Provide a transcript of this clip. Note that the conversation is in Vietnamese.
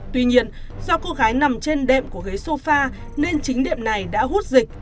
tuy nhiên do cô gái nằm trên đệm của ghế sofa nên chính đệm này đã hút dịch